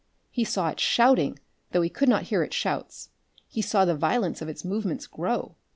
He saw it shouting, though he could not hear its shouts; he saw the violence of its movements grow.